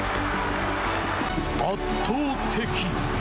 圧倒的。